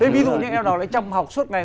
ví dụ như em nào lại chăm học suốt ngày